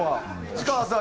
市川さん